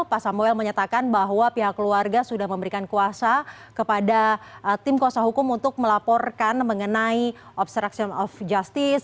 pak samuel menyatakan bahwa pihak keluarga sudah memberikan kuasa kepada tim kuasa hukum untuk melaporkan mengenai obstruction of justice